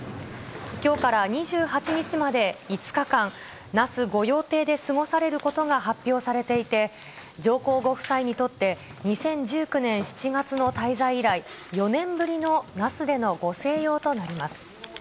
きょうから２８日まで５日間、那須御用邸で過ごされることが発表されていて、上皇ご夫妻にとって、２０１９年７月の滞在以来、４年ぶりの那須でのご静養となります。